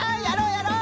やろう！